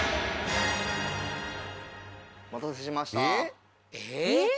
お待たせしました。